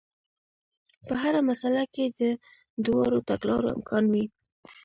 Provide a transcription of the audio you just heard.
په هره مسئله کې د دواړو تګلارو امکان وي.